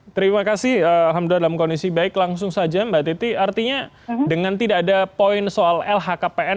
terima kasih alhamdulillah dalam kondisi baik langsung saja mbak titi artinya dengan tidak ada poin soal lhkpn